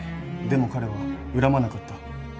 でも彼は恨まなかった。